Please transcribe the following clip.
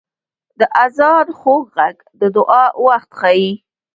• د آذان خوږ ږغ د دعا وخت ښيي.